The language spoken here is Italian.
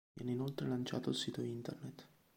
Viene inoltre lanciato il sito internet.